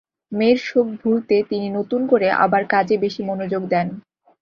মেয়ের শোক ভুলতে তিনি নতুন করে আবার কাজে বেশি মনোযোগ দেন।